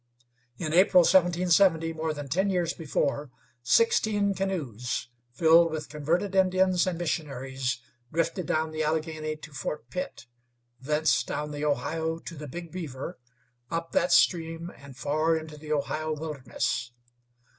In April, 1770, more than ten years before, sixteen canoes, filled with converted Indians and missionaries, drifted down the Allegheny to Fort Pitt; thence down the Ohio to the Big Beaver; up that stream and far into the Ohio wilderness.